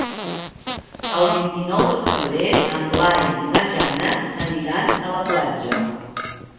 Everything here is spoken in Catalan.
El vint-i-nou de febrer en Blai i na Jana aniran a la platja.